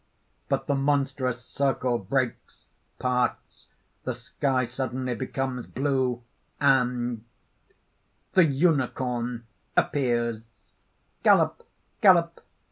_ But the monstrous circle breaks, parts; the sky suddenly becomes blue; and) THE UNICORN (appears): "Gallop! Gallop!